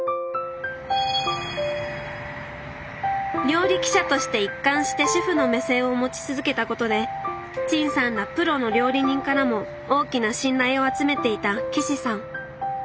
料理記者として一貫して主婦の目線を持ち続けたことで陳さんらプロの料理人からも大きな信頼を集めていた岸さん。